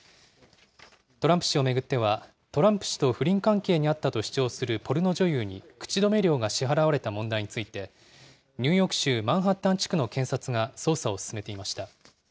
トランプ氏を巡っては、トランプ氏と不倫関係にあったと主張するポルノ女優に口止め料が支払われた問題について、ニューヨーク州マンハッタン地区の検察が捜査を進めていました。